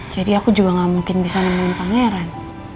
jadi aku juga gak mungkin bisa nemuin pangeran